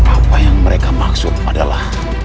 apa yang mereka maksud adalah